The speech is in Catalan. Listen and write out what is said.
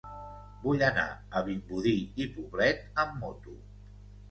Vull anar a Vimbodí i Poblet amb moto.